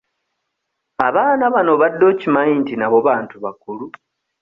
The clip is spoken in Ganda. Abaana bano obadde okimanyi nti nabo bantu bakulu?